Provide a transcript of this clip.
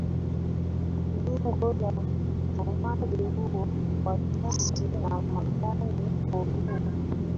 Lengo la uchomaji huo wa nyasi na majani porini